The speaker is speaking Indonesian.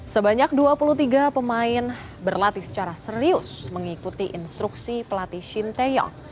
sebanyak dua puluh tiga pemain berlatih secara serius mengikuti instruksi pelatih shin taeyong